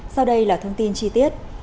sau đây là thông tin chi tiết